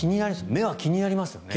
目は気になりますよね。